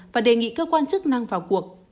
và đề nghị cơ quan chức năng vào cuộc